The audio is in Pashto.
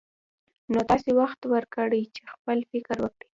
نو تاسې وخت ورکړئ چې خپل فکر وکړي.